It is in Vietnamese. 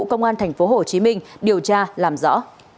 công an tp hcm điều tra làm rõ